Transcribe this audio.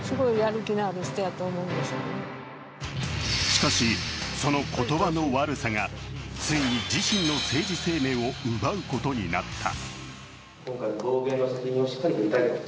しかし、その言葉の悪さがついに自信の政治声明を奪うことになった。